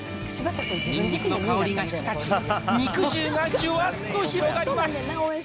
にんにくの香りが引き立ち、肉汁がじゅわっと広がります。